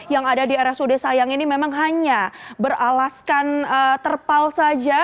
yang ada di rsu desa yang ini memang hanya beralaskan terpal saja